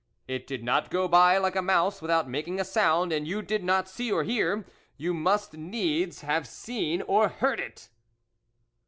It did not go by like a mouse with out making any sound, and you did not see or hear. You must needs have seen or heard it